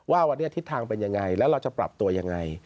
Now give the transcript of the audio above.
ว่าวันนี้ทิศทางเป็นยังไงแล้วเราจะปรับตัวยังไง